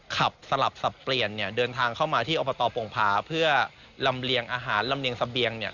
สลับสับเปลี่ยนเนี่ยเดินทางเข้ามาที่อบตโป่งผาเพื่อลำเลียงอาหารลำเลียงเสบียงเนี่ย